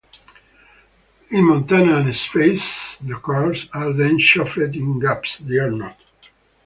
In Montana and Spaces, the cards are then shuffled; in Gaps, they are not.